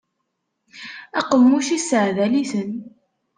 Aqemmuc isseɛdal-iten.